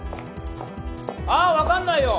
ああ分かんないよ！